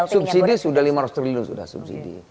subsidi sudah lima ratus triliun